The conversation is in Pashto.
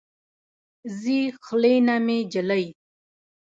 ځي خلې نه مې جلۍ